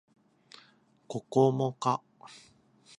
ここもか